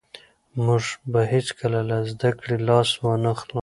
موږ به هېڅکله له زده کړې لاس ونه اخلو.